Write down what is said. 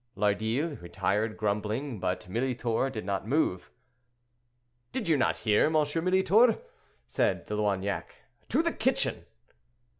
Lardille retired grumbling, but Militor did not move. "Did you not hear, M. Militor," said De Loignac; "to the kitchen!"